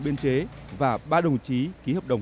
biên chế và ba đồng chí ký hợp đồng